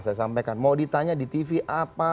saya sampaikan mau ditanya di tv apa